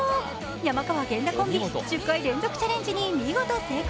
山川・源田コンビ、１０回連続チャレンジに見事成功。